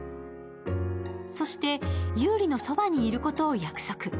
そして優里のそばにいることを約束。